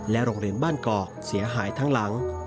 โรงเรียนบ้านกอกเสียหายทั้งหลัง